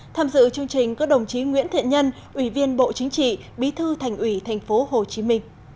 tham dự chương trình có đồng chí nguyễn thiện nhân ủy viên bộ chính trị bí thư thành ủy tp hcm